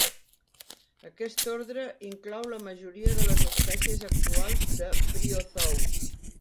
Aquest ordre inclou la majoria de les espècies actuals de briozous.